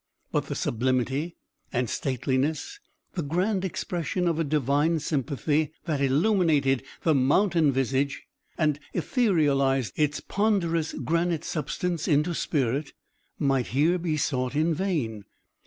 But the sublimity and stateliness, the grand expression of a divine sympathy, that illuminated the mountain visage, and etherealised its ponderous granite substance into spirit, might here be sought in vain.